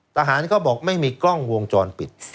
เขาบอกไม่มีกล้องวงจรปิด